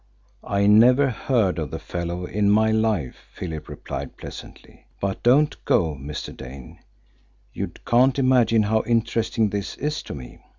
"I never heard of the fellow in my life," Philip replied pleasantly, "but don't go, Mr. Dane. You can't imagine how interesting this is to me.